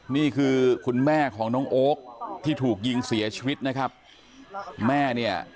นี่คือคุณแม่ของน้องโอ๊คที่ถูกยิงเสียชีวิตนะครับแม่เนี่ย